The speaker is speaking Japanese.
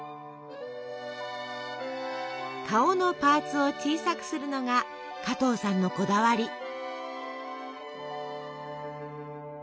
顔のパーツを小さくするのが加藤さんのこだわり。